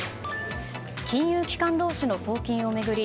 金融機関同士の送金を巡り